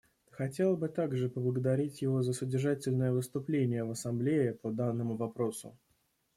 Хотела бы также поблагодарить его за содержательное выступление в Ассамблее по данному вопросу.